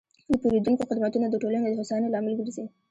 د پیرودونکو خدمتونه د ټولنې د هوساینې لامل ګرځي.